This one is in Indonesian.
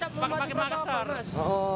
tetap rumah tipe rokok mas